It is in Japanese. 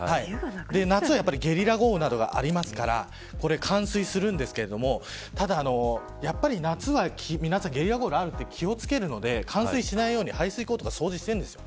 夏はゲリラ豪雨などがありますから冠水するんですけど夏はゲリラ豪雨があると気を付けるので冠水しないように排水溝とか掃除してるんですよ。